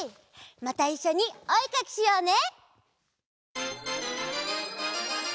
またいっしょにおえかきしようね！